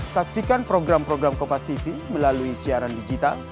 saksikan program program kompastv melalui siaran digital